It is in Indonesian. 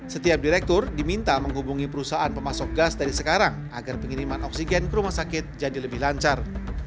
setiap direktur diminta menghubungi perusahaan pemasok gas dari sekarang agar pengiriman oksigen ke rumah sakit jadi lebih lancar